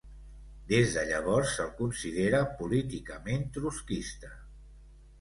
Des de llavors, se'l considera políticament trotskista.